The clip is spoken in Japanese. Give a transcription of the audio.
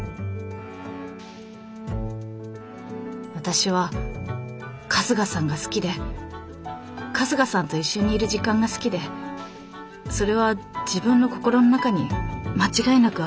私は春日さんが好きで春日さんと一緒にいる時間が好きでそれは自分の心の中に間違いなくあるんだから。